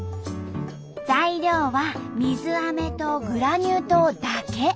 材料は水アメとグラニュー糖だけ。